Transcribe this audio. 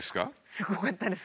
すごかったです。